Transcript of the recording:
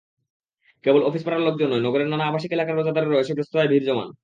কেবল অফিসপাড়ার লোকজন নয়, নগরের নানা আবাসিক এলাকার রোজাদারেরাও এসব রেস্তোরাঁয় ভিড় জমান।